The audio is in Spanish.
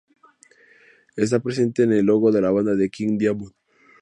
Está presente en el logo de la banda de King Diamond.